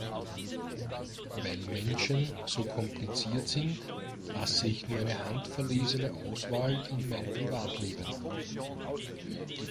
Weil Menschen so kompliziert sind, lasse ich nur eine handverlesene Auswahl in mein Privatleben.